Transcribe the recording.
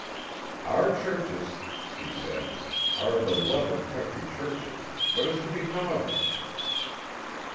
"Our churches," she said, "our beloved country churches, what is to become of them?"